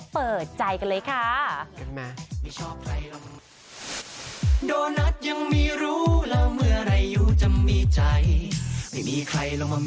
เปิดใจกันเลยค่ะ